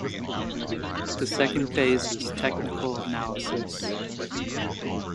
The second phase is technical analysis.